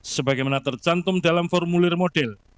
sebagaimana tercantum dalam formulir model